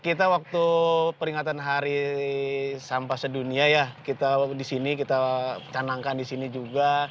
kita waktu peringatan hari sampah sedunia ya kita disini kita canangkan disini juga